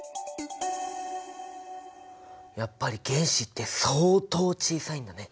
やっぱり原子って相当小さいんだね。